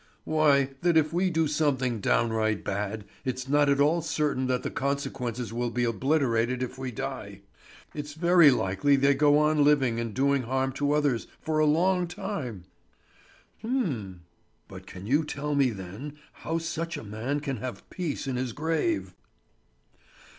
"Why, that if we do something downright bad it's not at all certain that the consequences will be obliterated if we die. It's very likely they go on living and doing harm to others for a long time." "H'm!" "But can you tell me then how such a man can have peace in his grave?"